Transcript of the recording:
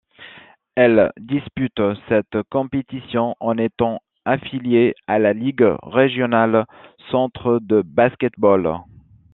Elle dispute cette compétition en étant affiliée à la ligue régionale centre de basket-ball.